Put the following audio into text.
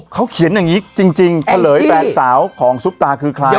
เขาเขียนอย่างนี้จริงเฉลยแฟนสาวของซุปตาคือใคร